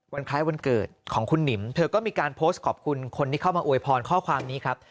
คล้ายวันเกิดของคุณหนิมเธอก็มีการโพสต์ขอบคุณคนที่เข้ามาอวยพรข้อความนี้ครับ